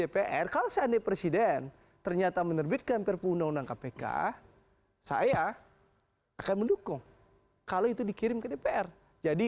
persiden ternyata menerbitkan perpu undang undang kpk saya akan mendukung kalau itu dikirim lumpir jadi